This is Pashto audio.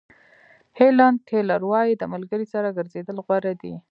هیلن کیلر وایي د ملګري سره ګرځېدل غوره دي.